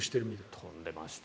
飛んでました。